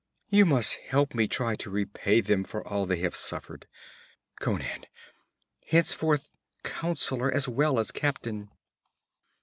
You must help me try to repay them for all they have suffered, Conan, henceforth councilor as well as captain!'